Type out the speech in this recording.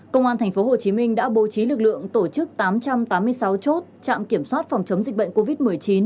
công an tp hcm đã bố trí lực lượng tổ chức tám trăm tám mươi sáu chốt trạm kiểm soát phòng chống dịch bệnh covid một mươi chín